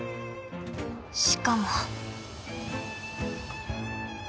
しかも。